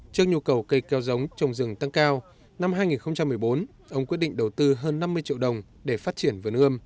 trước nhu cầu cây keo giống trồng rừng tăng cao năm hai nghìn một mươi bốn ông quyết định đầu tư hơn năm mươi triệu đồng để phát triển vườn ươm